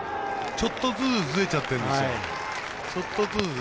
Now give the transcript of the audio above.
ちょっとずつずれちゃってるんですよ。